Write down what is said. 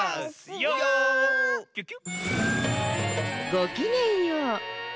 ごきげんよう。